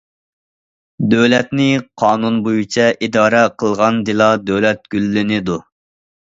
دۆلەتنى قانۇن بويىچە ئىدارە قىلغاندىلا دۆلەت گۈللىنىدۇ.